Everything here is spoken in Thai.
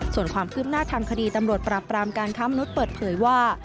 ส่วนความคืบหน้าทางคดีตำรวจปราบปรามการค้ามนุษย์เปิดเผยว่า